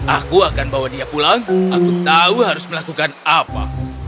aku akan bawa dia pulang aku tahu harus melakukan apa